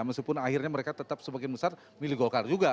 meskipun akhirnya mereka tetap sebagian besar milih golkar juga